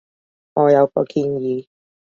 我有個建議